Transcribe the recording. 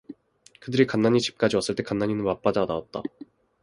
그들이 간난이 집까지 왔을 때 간난이는 맞받아 나왔다.